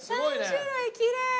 ３種類きれい！